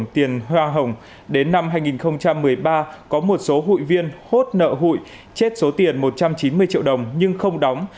tiền hoa hồng đến năm hai nghìn một mươi ba có một số hụi viên hốt nợ hụi chết số tiền một trăm chín mươi triệu đồng nhưng không đóng